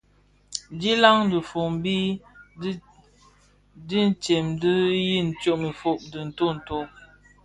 Dhilaň dhifombi dintsem di yin tsom ifog dhi ntonto.